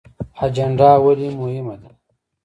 اجنډا ولې مهمه ده؟